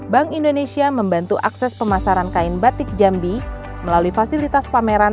bank indonesia membantu akses pemasaran kain batik jambi melalui fasilitas pameran